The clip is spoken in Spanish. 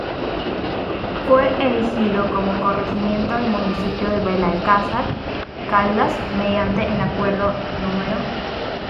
Fue erigido como corregimiento del municipio de Belalcázar Caldas mediante el Acuerdo No.